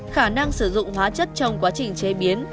khả năng sử dụng hóa chất trong quá trình chế biến